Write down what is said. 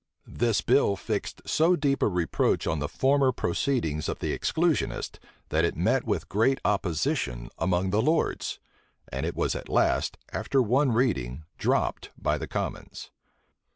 This bill fixed so deep a reproach on the former proceedings of the exclusionists, that it met with great opposition among the lords; and it was at last, after one reading, dropped by the commons.